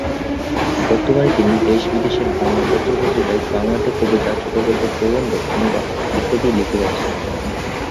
বর্তমানে তিনি দেশ-বিদেশের বাংলা পত্র-পত্রিকায় বাংলাতে কবিতা, ছোটগল্প, প্রবন্ধ, অনুবাদ ইত্যাদি লিখে যাচ্ছেন।